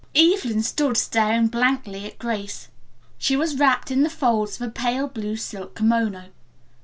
Evelyn stood staring blankly at Grace. She was wrapped in the folds of a pale blue silk kimono.